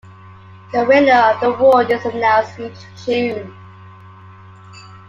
The winner of the award is announced each June.